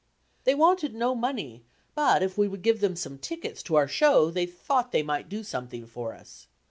They wanted no money, but if we would give them some tickets to our show they thought they might do something for us.